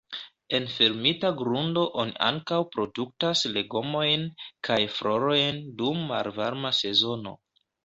En fermita grundo oni ankaŭ produktas legomojn kaj florojn dum malvarma sezono.